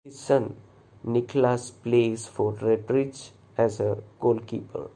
His Son, Niklas plays for Redbridge as a Goalkeeper.